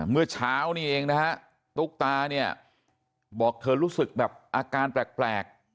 เมื่อเช้านี้เองนะฮะตุ๊กตาเนี่ยบอกเธอรู้สึกแบบอาการแปลก